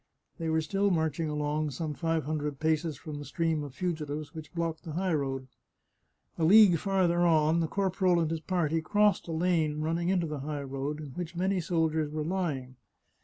They were still marching along some five hundred paces from the stream of fugitives which blocked the high road. A league farther on the corporal and his party crossed a lane running into the high road, in which many soldiers were lying.